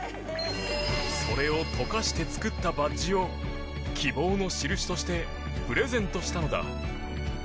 それを溶かして作ったバッジを希望の印としてプレゼントしたのだ。